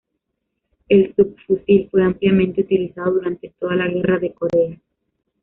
El subfusil fue ampliamente utilizado durante toda la Guerra de Corea.